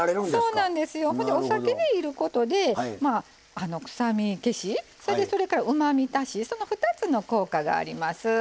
それで、お酒でいることで臭み消しそれから、うまみ足し２つの効果があります。